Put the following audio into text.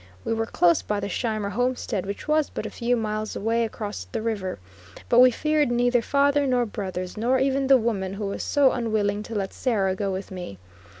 We were close by the Scheimer homestead, which was but a few miles away across the river; but we feared neither father nor brothers, nor even the woman who was so unwilling to let Sarah go with me.